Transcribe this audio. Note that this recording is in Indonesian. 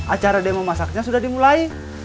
acara demo masaknya sudah dimulai